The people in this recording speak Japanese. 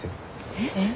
えっ！？